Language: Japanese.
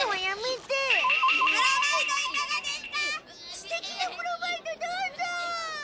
すてきなブロマイドどうぞ！